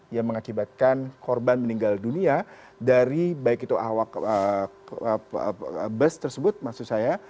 yang mengakibatkan korban meninggal dunia dari baik itu awak bus tersebut maksud saya